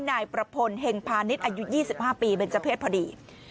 นายประพลเฮงพาณิชย์อายุ๒๕ปีเป็นเจ้าเพศพอดี